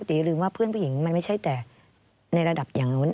ตีลืมว่าเพื่อนผู้หญิงมันไม่ใช่แต่ในระดับอย่างนู้น